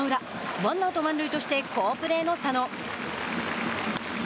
ワンアウト、満塁として好プレーの佐野。